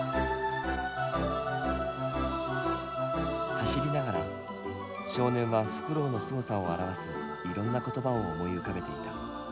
走りながら少年はフクロウのすごさを表すいろんな言葉を思い浮かべていた。